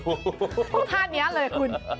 พวกท่านนี้เลยคุณ